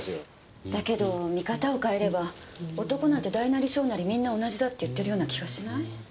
だけど見方を変えれば男なんて大なり小なりみんな同じだって言ってるような気がしない？